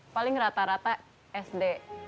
paling rata rata sd